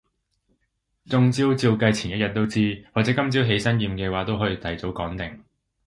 中招照計前一日都知，或者今朝起身驗嘅話都可以提早講定